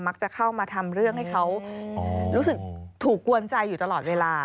เข้ามาทำเรื่องให้เขารู้สึกถูกกวนใจอยู่ตลอดเวลา